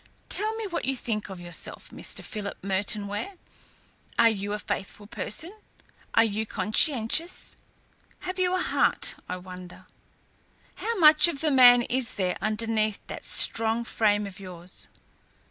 Tell me what you think of yourself, Mr. Philip Merton Ware? Are you a faithful person? Are you conscientious? Have you a heart, I wonder? How much of the man is there underneath that strong frame of yours?